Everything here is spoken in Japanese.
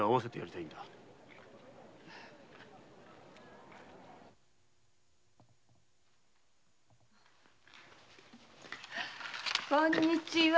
こんにちは。